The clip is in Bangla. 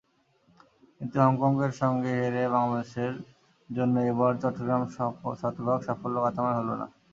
কিন্তু হংকংয়ের সঙ্গে হেরে বাংলাদেশের জন্য এবার চট্টগ্রাম শতভাগ সাফল্যগাথাময় হলো না।